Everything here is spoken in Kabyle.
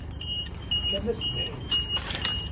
Tefkam-as ddḥis.